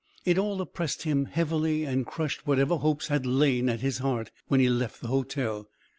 It all oppressed him heavily and crushed whatever hope had lain at his heart when he left the hotel.